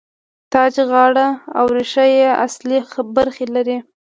تاج، غاړه او ریښه یې اصلي برخې دي.